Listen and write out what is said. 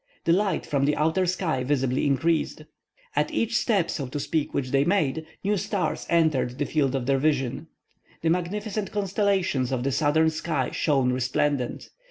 The light from the outer sky visibly increased. At each step, so to speak, which they made, new stars entered the field of their vision: The magnificent constellations of the southern sky shone resplendent.